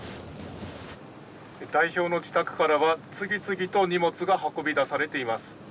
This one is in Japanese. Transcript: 代表の自宅からは次々と荷物が運び出されています。